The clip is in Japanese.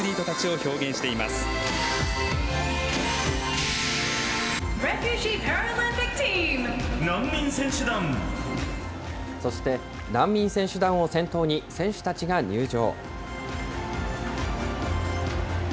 そして、難民選手団を先頭に選手たちが入場。